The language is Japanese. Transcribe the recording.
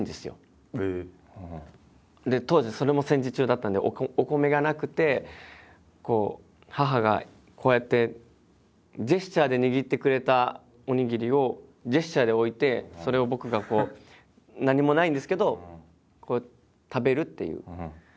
当時それも戦時中だったんでお米がなくて母がこうやってジェスチャーで握ってくれたおにぎりをジェスチャーで置いてそれを僕がこう何もないんですけどこう食べるっていう。